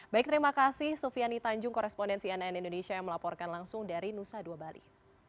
baik terima kasih sufiani tanjung korespondensi nn indonesia yang melaporkan langsung dari nusa dua bali